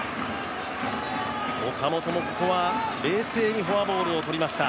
岡本も、ここは冷静にフォアボールを取りました。